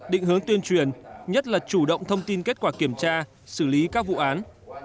định hướng tuyên truyền nhất là chủ động thông tin kết quả kiểm tra xử lý các vụ án